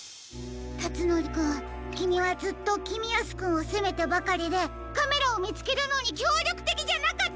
たつのりくんきみはずっときみやすくんをせめてばかりでカメラをみつけるのにきょうりょくてきじゃなかったよね。